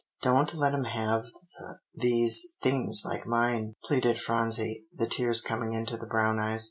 "Don't let him have th these things like mine?" pleaded Phronsie, the tears coming into the brown eyes.